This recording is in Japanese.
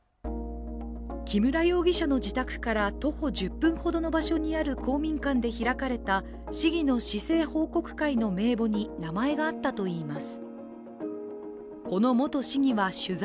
木村容疑者の自宅から徒歩１０分ほどの場所にあった場所で開かれた市議の市政報告会の名簿に名前があったといいます。